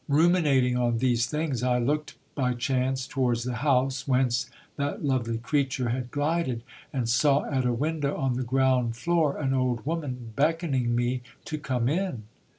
Ruminating on these things, I looked by chance towards the house whence that lovely creature had glided, and saw at a window on the ground floor an old woman beckoning me to come in.